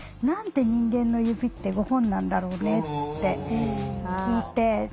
「何で人間の指って５本なんだろうね」って聞いて。